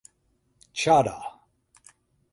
Chadha.